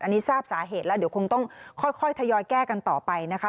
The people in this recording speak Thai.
อันนี้ทราบสาเหตุแล้วเดี๋ยวคงต้องค่อยทยอยแก้กันต่อไปนะคะ